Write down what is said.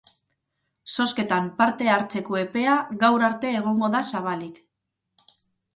Zozketan parte hartzeko epea gaur arte egongo da zabalik.